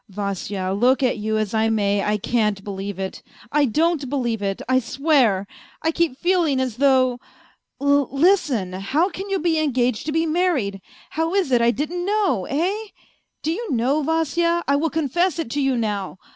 " Vasya, look at you as I may, I can't believe it. I don't believe it, I swear. I keep feeling as though. ... Listen, how can you be engaged to be married ?... How is it I didn't know, eh ? Do you know, Vasya, I will confess it to you now.